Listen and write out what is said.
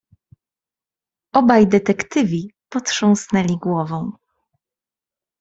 "Obaj detektywi potrząsnęli głową."